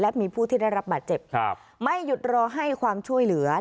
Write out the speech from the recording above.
และมีผู้ที่ได้รับบาดเจ็บไม่หยุดรอให้ความช่วยเหลือ